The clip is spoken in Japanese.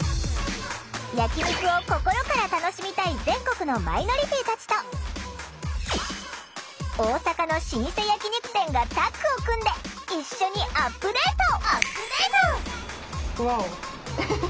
焼き肉を心から楽しみたい全国のマイノリティーたちと大阪の老舗焼き肉店がタッグを組んで一緒にアップデート！